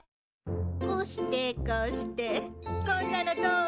こうしてこうしてこんなのどう？